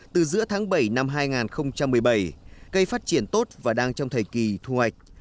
từ giữa tháng bảy năm hai nghìn một mươi bảy cây phát triển tốt và đang trong thời kỳ thu hoạch